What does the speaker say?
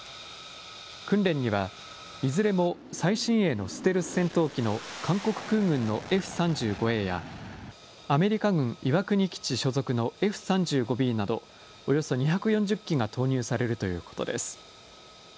訓練にはいずれも最新鋭のステルス戦闘機の韓国空軍のＦ３５Ａや、アメリカ軍岩国基地所属のＦ３５Ｂなどおよそ２４０機が投入されるということです。